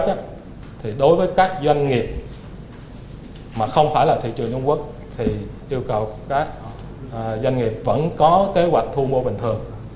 trước hết đối với các doanh nghiệp mà không phải là thị trường trung quốc yêu cầu các doanh nghiệp vẫn có kế hoạch thu mua bình thường